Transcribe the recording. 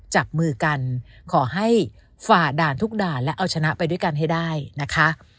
จับมือกันขอให้ฝ่าด่านทุกด่านและเอาชนะไปด้วยกันให้ได้นะคะ